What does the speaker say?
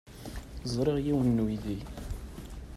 Ẓriɣ yiwen n uydi.